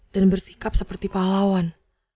dan bersikap seperti pahlawan